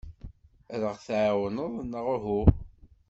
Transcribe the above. Ad aɣ-tɛawneḍ neɣ uhu?